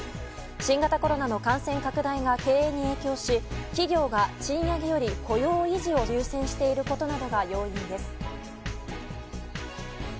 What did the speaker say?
新型コロナの感染拡大が経営に影響し企業が賃上げより雇用維持を優先していることなどが要因です。